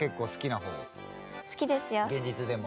現実でも？